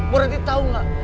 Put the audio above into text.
bu ranti tahu nggak